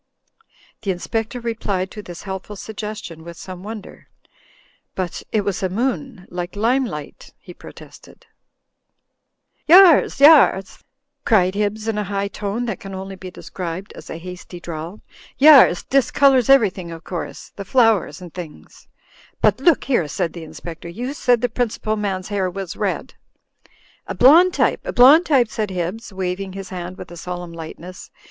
The Inspector replied to this helpful suggestion with some wonder. "But it was a moon, like limelight," he protested. "Yars, yars," cried Hibbs, in a high tone that can only be described as a hasty drawl. '*Yar&— discolours everything of course. The flowers and things —"But look here," said the Inspector, "you said the principal man's hair was red." "A blond type! A blond type!" said Hibbs^ way uiyiLizeu uy ^<^y^^^^L^ THE SEVEN MOODS OF DORIAN 201 ing his hand with a solemn lightness.